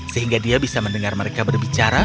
sehingga dia bisa mendengar mereka berbicara